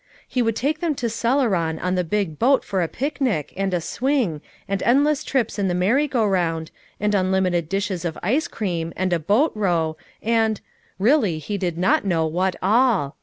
He would take them to Celeron on the big boat for a picnic, and a swing, and endless trips in the merry go round, and unlimited dishes of ice cream, and a boat row, and — really he did not know what all.